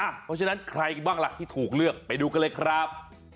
เพราะฉะนั้นใครบ้างล่ะที่ถูกเลือกไปดูกันเลยครับ